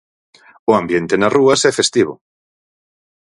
O ambiente nas rúas é festivo.